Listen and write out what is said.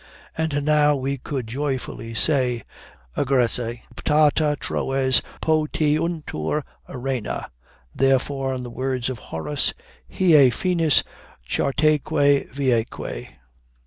And now we could joyfully say, Egressi optata Troes potiuntur arena. Therefore, in the words of Horace, hie Finis chartaeque viaeque.